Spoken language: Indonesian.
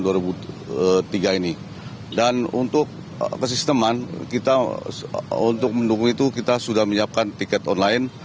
untuk kesisteman kita untuk mendukung itu kita sudah menyiapkan tiket online